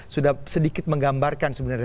sudah sedikit menggambarkan sebenarnya